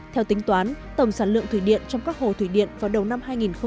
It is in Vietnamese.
theo tính toán tổng sản lượng thủy điện trong các hồ thủy điện vào đầu năm hai nghìn hai mươi